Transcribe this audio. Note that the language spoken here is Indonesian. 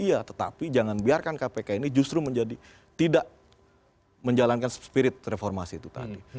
iya tetapi jangan biarkan kpk ini justru menjadi tidak menjalankan spirit reformasi itu tadi